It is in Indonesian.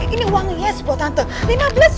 ini uang yes loh tante